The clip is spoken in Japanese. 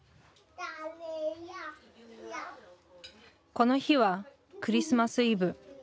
この日はクリスマス・イブ。